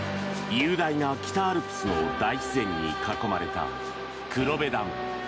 雄大な北アルプスの大自然に囲まれた黒部ダム。